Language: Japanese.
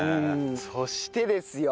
そしてですよ。